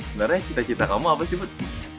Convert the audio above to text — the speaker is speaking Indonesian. sebenarnya cita cita kamu apa sih put